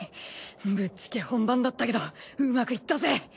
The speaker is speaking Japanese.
ぶっつけ本番だったけどうまくいったぜ。